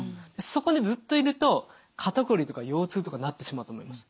そこでずっといると肩こりとか腰痛とかなってしまうと思います。